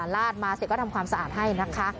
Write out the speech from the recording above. ลาดมาเสร็จก็ทำความสะอาดให้นะคะ